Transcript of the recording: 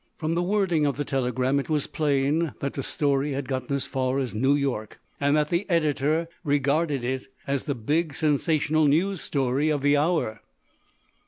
From the wording of the telegram, it was plain that the story had gotten as far as New York, and that the editor regarded it as the big, sensational news story of the hour.